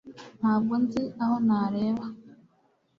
Ntabwo nzi aho nareba